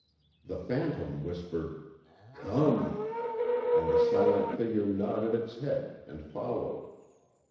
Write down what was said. The phantom whispered, "Come" ... and the silent figure nodded its head and followed.